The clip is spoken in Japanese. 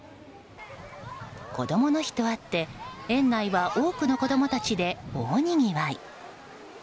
こどもの日とあって園内は多くの子供たちで大にぎわい。